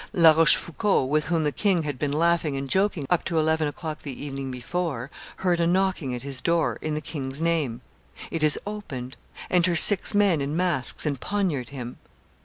La Rochefoucauld, with whom the king had been laughing and joking up to eleven o'clock the evening before, heard a knocking at his door, in the king's name; it is opened; enter six men in masks and poniard him.